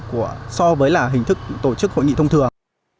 của xã hội bốn hiện nay